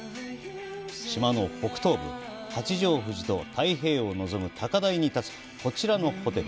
島の北東部、八丈富士と太平洋を望む高台に建つこちらのホテル。